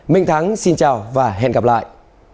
minh thắng xin chào và hẹn gặp lại